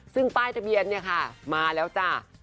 ซึ่งป้ายทะเบียนเนี่ยค่ะมาแล้วจ้า